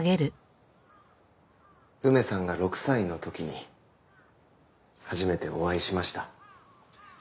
梅さんが６歳の時に初めてお会いしました。